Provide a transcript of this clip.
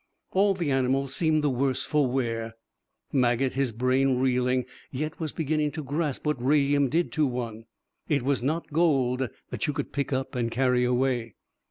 All the animals seemed the worse for wear. Maget, his brain reeling, yet was beginning to grasp what radium did to one. It was not gold that you could pick up and carry away.